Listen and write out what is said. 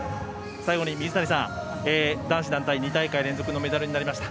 最後に水谷さん、男子団体２大会連続メダルになりました。